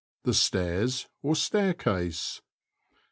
— The stairs or staircase.